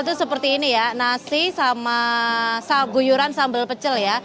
itu seperti ini ya nasi sama guyuran sambal pecel ya